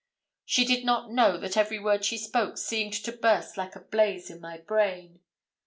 She did not know that every word she spoke seemed to burst like a blaze in my brain.